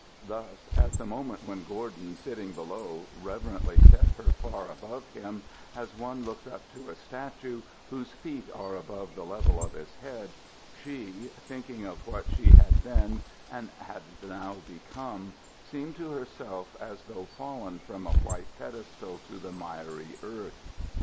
Thus at the moment when Gordon, sitting below, reverently set her far above him, as one looks up to a statue whose feet are above the level of his head, she, thinking of what she had been and had now become, seemed to herself as though fallen from a white pedestal to the miry earth.